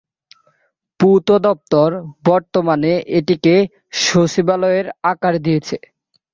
পূর্ত দফতর বর্তমানে এটিকে সচিবালয়ের আকার দিয়েছে।